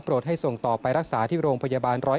ให้ส่งต่อไปรักษาที่โรงพยาบาล๑๐๑